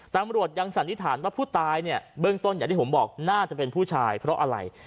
ตำรวจยังสันนิษฐานว่าผู้ตายเนี่ยเบื้องต้นอย่างที่ผมบอกน่าจะเป็นผู้ชายเพราะอะไร